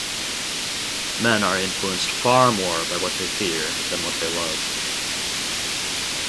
Men are influenced far more by what they fear than by what they love.